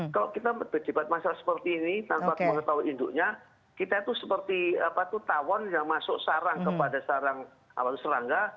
kalau kita berdibat masalah seperti ini tanpa tahu induknya kita itu seperti apa itu tawon yang masuk sarang kepada sarang awal serangga